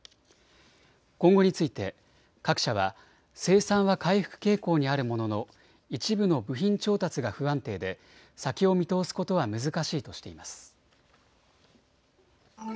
今後について各社は生産は回復傾向にあるものの一部の部品調達が不安定で先を見通すことは難しいとしています。